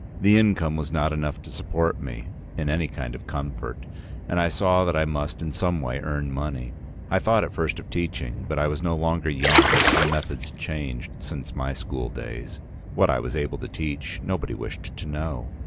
The income was not enough to support me in any kind of comfort, and I saw that I must in some way earn money. I thought at first of teaching, but I was no longer young, and methods had changed since my school days. What I was able to teach, nobody wished to know.